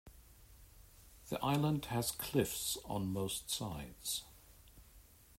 The island has cliffs on most sides.